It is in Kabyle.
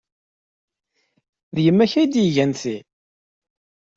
D yemma-k ay d-igan ti?